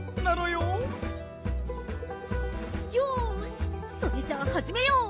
よしそれじゃあはじめよう。